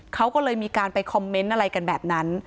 เขาก็เลยมีการไปคอมเมนต์อะไรกันแบบนั้น